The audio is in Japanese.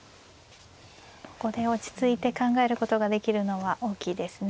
ここで落ち着いて考えることができるのは大きいですね。